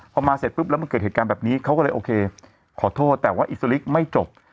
พอมาเสร็จปุ๊บแล้วมันเกิดเหตุการณ์แบบนี้เขาก็เลยโอเคขอโทษแต่ว่าอิสลิกไม่จบ